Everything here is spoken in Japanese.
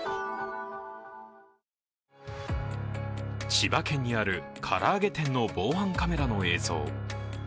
千葉県にある唐揚げ店の防犯カメラの映像。